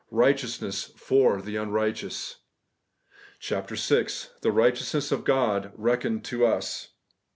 RIGHTEOUSNESS FOR THE UNRIGHTEOUS, .... 68 CHAPTER VI. THE RIGHTEOUSNESS OF GOD RECKONED TO US